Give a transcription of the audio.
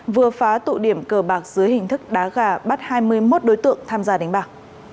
vừa phá tụ điểm cờ bạc dưới hình thức đá gà bắt hai mươi một đối tượng tham gia đánh bạc